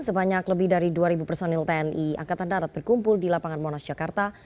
sebanyak lebih dari dua personil tni angkatan darat berkumpul di lapangan monas jakarta